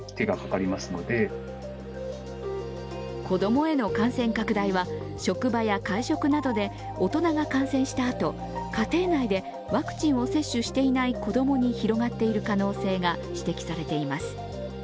子供への感染拡大は職場や会食などで大人が感染したあと、家庭内でワクチンを接種していない子供に広がっている可能性が指摘されています。